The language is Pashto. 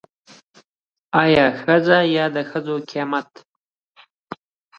يا ښځې يا دښځو قيمت.